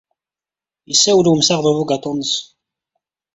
Yessawel wemsaɣ ed ubugaṭu-nnes.